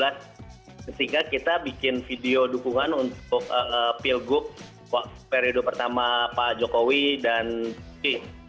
sehingga kita bikin video dukungan untuk pilguk waktu periode pertama pak jokowi dan g